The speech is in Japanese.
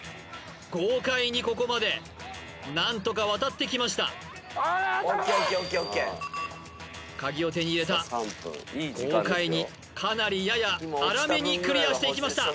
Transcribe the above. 豪快にここまで何とか渡ってきましたカギを手に入れた豪快にかなりやや荒めにクリアしていきました